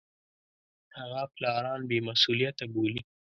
هغه پلانران بې مسولیته بولي.